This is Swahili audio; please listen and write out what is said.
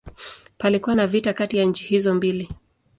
Palikuwa na vita kati ya nchi hizo mbili.